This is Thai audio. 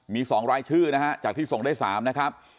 มี๒รายชื่อนะฮะจากที่ส่งได้๓นะครับ